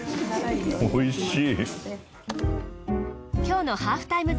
おいしい！